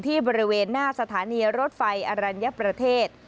บริเวณหน้าสถานีรถไฟอรัญญประเทศ